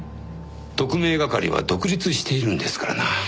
特命係は独立しているんですからな。